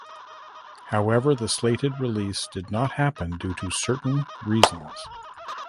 However the slated release did not happen due to certain reasons.